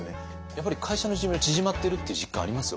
やっぱり会社の寿命縮まってるっていう実感あります？